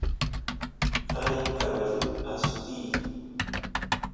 qari caballut asutiy